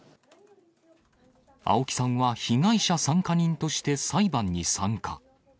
青木さんは被害者参加人として裁判に参加。